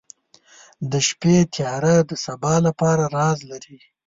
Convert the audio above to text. • د شپې تیاره د سبا لپاره راز لري.